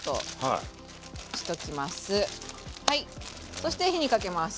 そして火にかけます。